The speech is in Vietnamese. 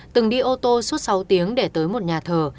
từng đi ô tô suốt sáu tiếng để tới một nhà thờ